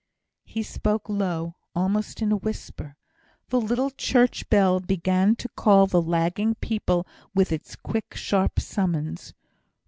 He spoke low; almost in a whisper. The little church bell began to call the lagging people with its quick, sharp summons.